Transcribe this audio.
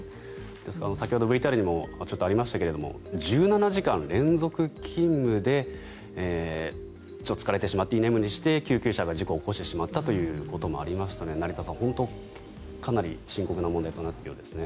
先ほどＶＴＲにもありましたが１７時間連続勤務で疲れてしまって居眠りして救急車が事故を起こしてしまったということもありましたので成田さん、本当にかなり深刻な問題となっているようですね。